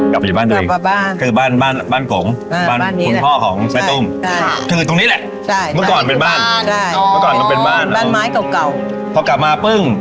กับกินบ้านนี้นี่กลับมาบ้านคือบ้านบ้านบ้านบ้านกงบ้านกุมาทของตูมคือตรงนี้แหละ